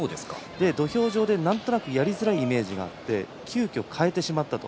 土俵上でなんとなくやりづらいイメージがあって急きょ変えてしまった。